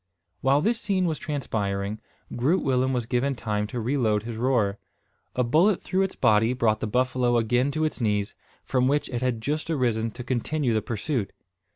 While this scene was transpiring, Groot Willem was given time to reload his roer. A bullet through its body brought the buffalo again to its knees, from which it had just arisen to continue the pursuit.